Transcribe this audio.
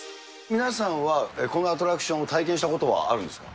皆さんは、このアトラクションを体験したことはあるんですか。